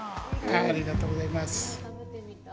ありがとうございます。